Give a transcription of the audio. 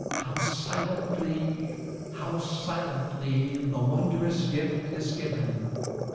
How silently, how silently, The wondrous gift is given!